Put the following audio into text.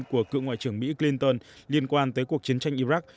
của cựu ngoại trưởng mỹ clinton liên quan tới cuộc chiến tranh iraq